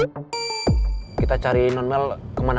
habis itu saya luar